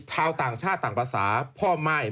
ชาวต่างชาติต่างภาษาพ่อม่าย